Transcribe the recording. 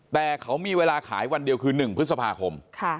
แต่เขามีเวลาขายวันเดียวคือ๑พฤษภาคม